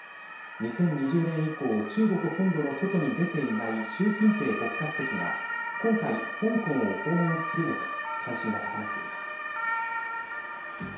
２０２０年以降中国本土の外に出ていない習近平国家主席が今回、香港を訪問するのか関心が高まっています。